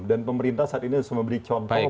dan pemerintah saat ini harus memberi contoh